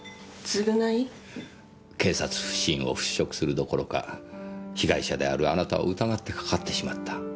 警察不信を払拭するどころか被害者であるあなたを疑ってかかってしまった。